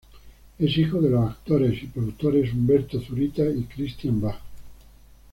Es hijo de los actores y productores Humberto Zurita y Christian Bach.